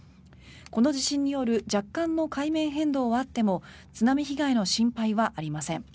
この地震による若干の海面変動はあっても津波被害の心配はありません。